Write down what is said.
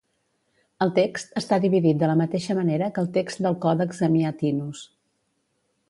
El text està dividit de la mateixa manera que el text del Còdex Amiatinus.